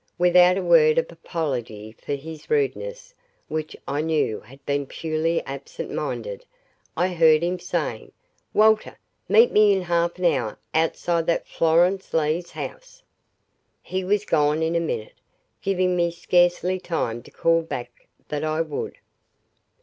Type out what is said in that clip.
Without a word of apology for his rudeness, which I knew had been purely absent minded, I heard him saying, "Walter meet me in half an hour outside that Florence Leigh's house." He was gone in a minute, giving me scarcely time to call back that I would.